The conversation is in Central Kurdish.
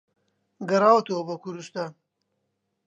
گەڕاوەتەوە بۆ کوردوستان